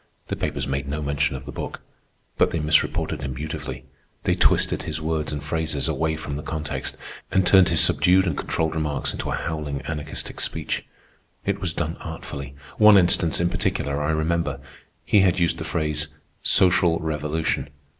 The papers made no mention of the book, but they misreported him beautifully. They twisted his words and phrases away from the context, and turned his subdued and controlled remarks into a howling anarchistic speech. It was done artfully. One instance, in particular, I remember. He had used the phrase "social revolution."